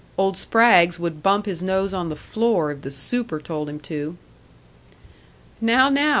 Old Spraggs would bump his nose on the floor if the "super" told him to. "Now, now!"